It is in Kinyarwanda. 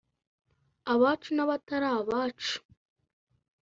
abacu n’abatari abacu